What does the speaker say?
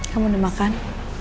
kamu udah makan